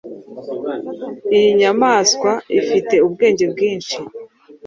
Iyi nyamaswa ifite ubwenge bwinshi